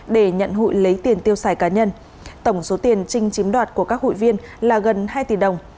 để nhận hụi lấy tiền tiêu xài cá nhân tổng số tiền trinh chiếm đoạt của các hụi viên là gần hai tỷ đồng